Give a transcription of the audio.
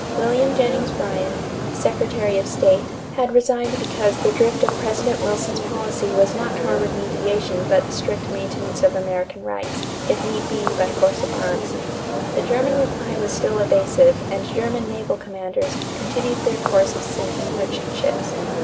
William Jennings Bryan, the Secretary of State, had resigned because the drift of President Wilson's policy was not toward mediation but the strict maintenance of American rights, if need be, by force of arms. The German reply was still evasive and German naval commanders continued their course of sinking merchant ships.